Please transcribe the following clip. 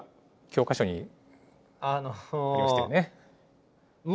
教科書にありましたよね。